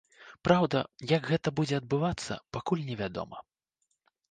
Праўда, як гэта будзе адбывацца, пакуль невядома.